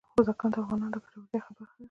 بزګان د افغانانو د ګټورتیا برخه ده.